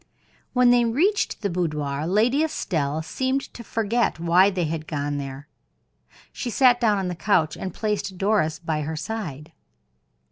When they reached the boudoir Lady Estelle seemed to forget why they had gone there. She sat down on the couch, and placed Doris by her side.